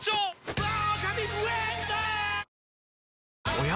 おや？